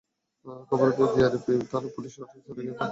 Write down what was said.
খবর পেয়ে জিআরপি থানার পুলিশ ঘটনাস্থলে গিয়ে চারটি ফাঁকা গুলি ছোড়ে।